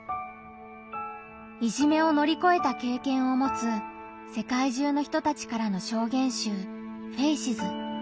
いじめを乗り越えた経験を持つ世界中の人たちからの証言集「ＦＡＣＥＳ」。